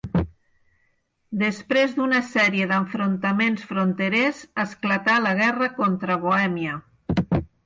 Després d'una sèrie d'enfrontaments fronterers, esclatà la guerra contra Bohèmia.